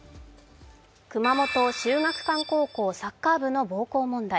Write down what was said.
熊本・秀岳館高校サッカー部の暴行問題。